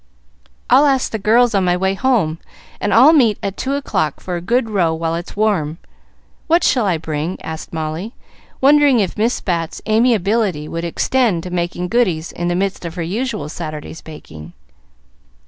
"I'll ask the girls on my way home, and all meet at two o'clock for a good row while it's warm. What shall I bring?" asked Molly, wondering if Miss Bat's amiability would extend to making goodies in the midst of her usual Saturday's baking.